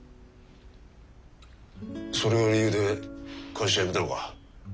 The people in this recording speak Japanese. それが理由で会社辞めたのか？